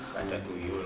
gak ada tuyul